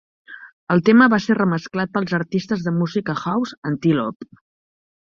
El tema va ser remesclat pels artistes de música house Antiloop.